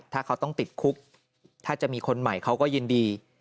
ถ้าเขาต้องติดคุกถ้าจะมีคนใหม่เขาก็ยินดี